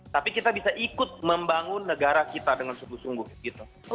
tapi kita bisa ikut membangun negara kita dengan sungguh sungguh gitu